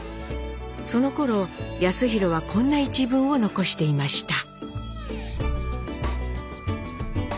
そのころ康宏はこんな一文を残していました。